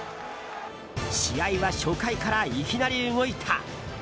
試合は初回からいきなり動いた！